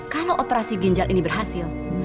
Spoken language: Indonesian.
kalau operasi ginjal ini berhasil